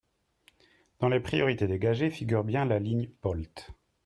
Dans les priorités dégagées figure bien la ligne POLT.